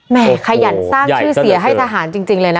ขยันสร้างชื่อเสียให้ทหารจริงเลยนะ